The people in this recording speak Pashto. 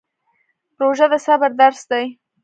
روژه د صبر درس دی